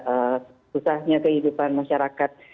ada susahnya kehidupan masyarakat